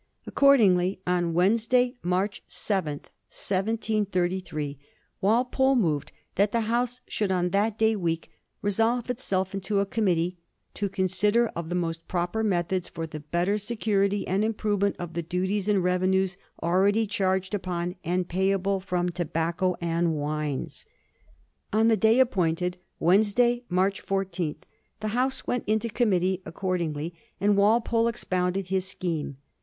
Accordingly, on Wednes day, March 7, 1733, Walpole moved that the House should on that day week resolve itself into a committee ^ to consider of the most proper methods for the better security and improvement of the duties and revenues already charged upon and payable from tobacco and wines.' On the day appointed, Wednesday, March 14, the House went into committee accordingly, and Wal pole expoimded his scheme.